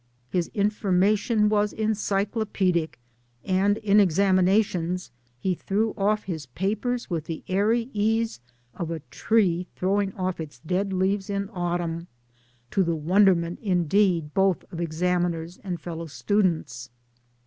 His information was encyclopaedic, and in examinations he threw off his papers with the airy ease of a tree throwing off its dead leaves in autumn ; to the wonderment indeed' both of examiners and fellow students.